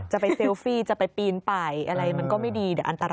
จะไปเซลฟี่จะไปปีนไปอะไรมันก็ไม่ดีเดี๋ยวอันตราย